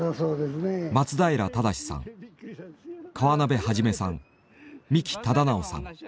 松平精さん河辺一さん三木忠直さん。